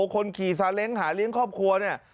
คนขี่ซาเล้งหาเลี้ยงครอบครัวเนี่ย